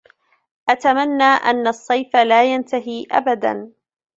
أتمنىَ أن الصيف لا ينتهىِ ابداً.